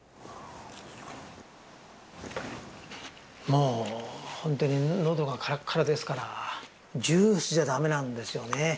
もう本当に喉がカラッカラですからジュースじゃ駄目なんですよね。